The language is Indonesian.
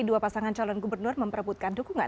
dua pasangan calon gubernur memperebutkan dukungan